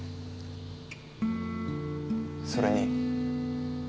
それに。